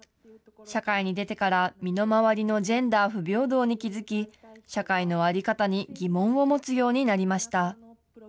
社会に出てから、身の回りのジェンダー不平等に気付き、社会の在り方に疑問を持つようになりました。